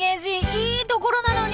いいところなのに。